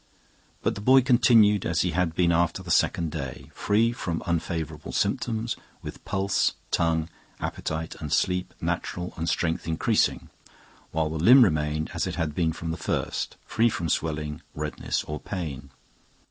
But the boy continued as he had been after the second day, free from unfavorable symptoms, with pulse, tongue, appetite, and sleep natural and strength increasing, while the limb remained as it had been from the first, free from swelling, redness, or pain.